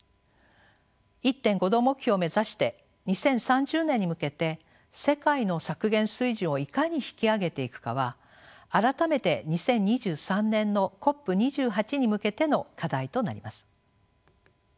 １．５℃目標を目指して２０３０年に向けて世界の削減水準をいかに引き上げていくかは改めて２０２３年のＣＯＰ２８に向けての課題となります。